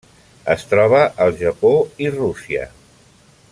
Es troba al Japó i Rússia.